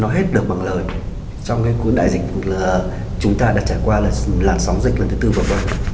nói hết được bằng lời trong cuộc đại dịch chúng ta đã trải qua làn sóng dịch lần thứ tư v v